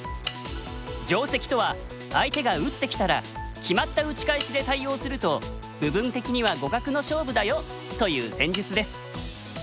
定石とは相手が打ってきたら決まった打ち返しで対応すると部分的には互角の勝負だよという戦術です。